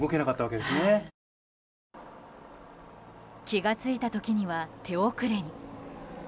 気が付いた時には手遅れに。